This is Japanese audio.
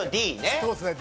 そうですねＤ。